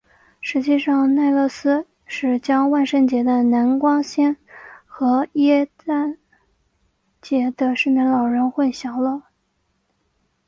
实际上奈勒斯是将万圣节的南瓜仙和耶诞节的圣诞老人混淆了。